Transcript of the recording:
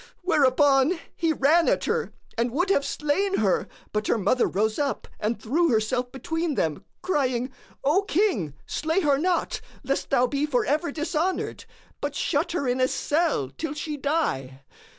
Whereupon he ran at her and would have slain her, but her mother rose up and threw herself between them crying,:—O King, slay her not, lest thou be for ever dishonoured; but shut her in a cell till she die.